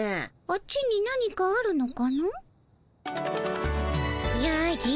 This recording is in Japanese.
あっちに何かあるのかの？